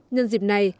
nhân dịp này